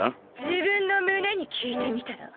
自分の胸に聞いてみたら？